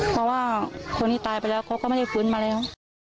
เพราะว่าคนที่ตายไปแล้วเขาก็ไม่ได้ฟื้นมาแล้ว